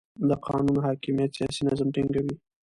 د قانون حاکمیت سیاسي نظم ټینګوي